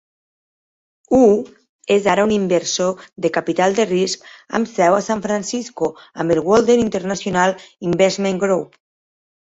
Hu és ara un inversor de capital de risc amb seu a San Francisco amb el Walden International Investment Group.